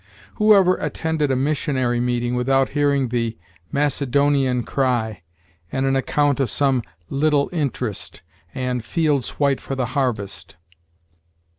Who ever attended a missionary meeting without hearing 'the Macedonian cry,' and an account of some 'little interest' and 'fields white for the harvest'?